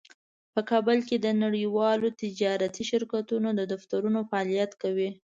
په کابل کې د نړیوالو تجارتي شرکتونو دفترونه فعالیت کوي